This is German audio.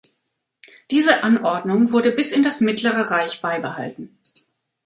Diese Anordnung wurde bis in das Mittlere Reich beibehalten.